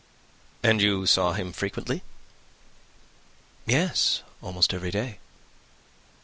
"And you saw him frequently?" "Yes, almost every day."